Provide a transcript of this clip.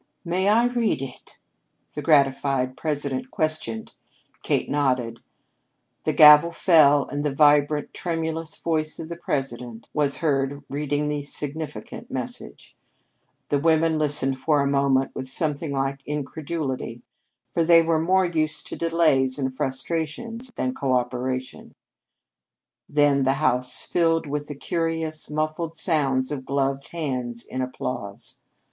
"May I read it?" the gratified president questioned. Kate nodded. The gavel fell, and the vibrant, tremulous voice of the president was heard reading the significant message. The women listened for a moment with something like incredulity for they were more used to delays and frustrations than to coöperation; then the house filled with the curious muffled sounds of gloved hands in applause.